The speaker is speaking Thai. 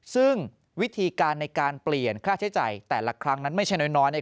ซึ่งวิธีการในการเปลี่ยนค่าใช้จ่ายแต่ละครั้งนั้นไม่ใช่น้อย